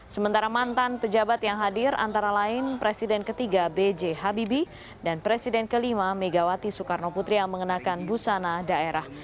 sementara mantan pejabat yang hadir antara lain presiden ketiga b j habibi dan presiden kelima megawati soekarno putri yang mengenakan busana daerah